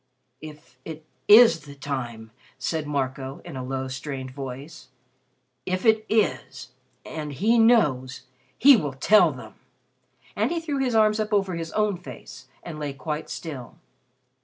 "If it is the time," said Marco in a low, strained voice "if it is, and he knows he will tell them." And he threw his arms up over his own face and lay quite still.